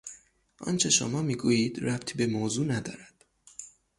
آنچه شما میگویید ربطی به موضوع ندارد.